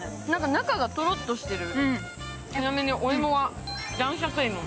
中がとろっとしてる、ちなみにお芋は男爵芋。